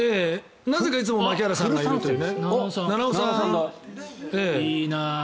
なぜかいつも槙原さんがいるという。